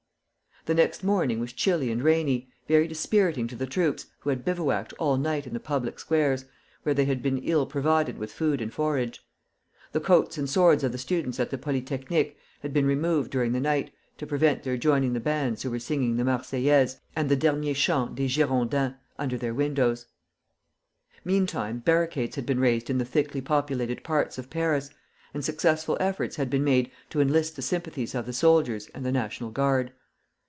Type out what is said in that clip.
The next morning was chilly and rainy, very dispiriting to the troops, who had bivouacked all night in the public squares, where they had been ill provided with food and forage. The coats and swords of the students at the Polytechnic had been removed during the night, to prevent their joining the bands who were singing the "Marseillaise" and the "Dernier Chant des Girondins" under their windows. Meantime barricades had been raised in the thickly populated parts of Paris, and successful efforts had been made to enlist the sympathies of the soldiers and the National Guard.